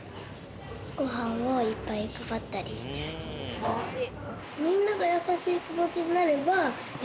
すばらしい！